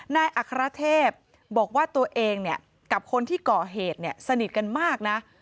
นายอัครเทพบอกว่าตัวเองกับคนที่ก่อเหตุสนิทกันมากนะ